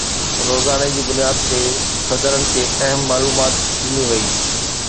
روزاني جي بنياد تي صدرن کي اهم معلومات ڏني وئي